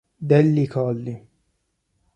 Delli Colli